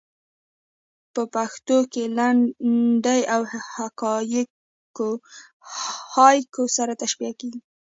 په پښتو کښي لنډۍ له هایکو سره تشبیه کېږي.